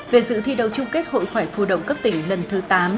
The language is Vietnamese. về sự thi đấu chung kết hội khỏe phụ đồng cấp tỉnh lần thứ tám